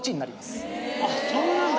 あっそうなんだ。